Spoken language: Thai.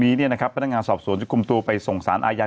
นี้นะครับพนักงานสอบสวนจุดกลุ่มตัวไปส่งสารอายาท